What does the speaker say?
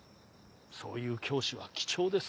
そういう教師は貴重です。